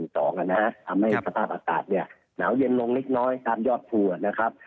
ทำให้สภาพอักษัตริย์หนาวเย็นลงนิดน้อยตามยอดภูอ่ะนะครับ